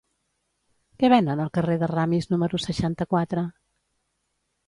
Què venen al carrer de Ramis número seixanta-quatre?